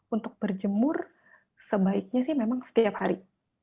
untuk berjemur sebaiknya sih memang setiap hari